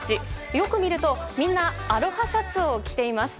よく見ると、みんなアロハシャツを着ています。